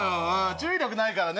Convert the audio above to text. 注意力ないからね